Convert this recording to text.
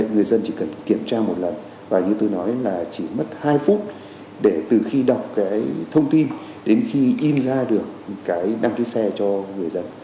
người dân chỉ cần kiểm tra một lần và như tôi nói là chỉ mất hai phút để từ khi đọc cái thông tin đến khi in ra được cái đăng ký xe cho người dân